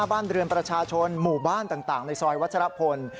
บ้านเรือนประชาชนหมู่บ้านต่างในซอยวัชรพล